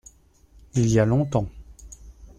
Il y a longtemps.